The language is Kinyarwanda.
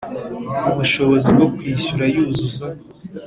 ubushobozi bwo kwishyura yuzuza